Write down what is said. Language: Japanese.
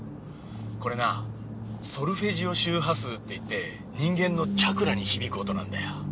これなぁソルフェジオ周波数っていって人間のチャクラに響く音なんだよ。